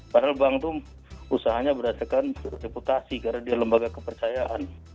padahal bank itu usahanya berdasarkan reputasi karena dia lembaga kepercayaan